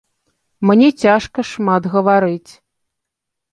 Мне цяжка шмат гаварыць.